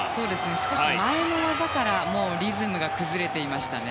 少し前の技からリズムが崩れていましたね。